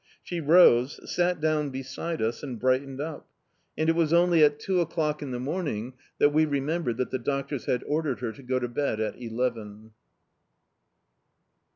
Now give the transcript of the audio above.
She rose, sat down beside us, and brightened up... and it was only at two o'clock in the morning that we remembered that the doctors had ordered her to go to bed at eleven.